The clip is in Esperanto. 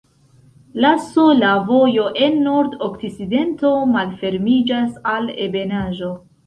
La sola vojo en nordokcidento malfermiĝas al ebenaĵo.